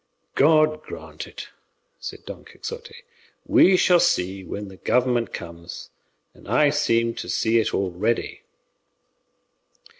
"God grant it," said Don Quixote; "we shall see when the government comes; and I seem to see it already."